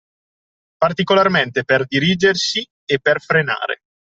Particolarmente per dirigersi e per frenare.